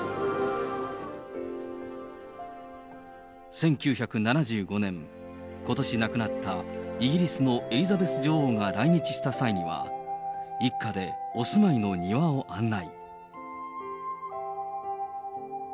１９７５年、ことし亡くなったイギリスのエリザベス女王が来日した際には、一家でお住まいの庭を案内。